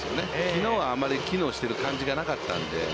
きのうはあまり機能してる感じがなかったので。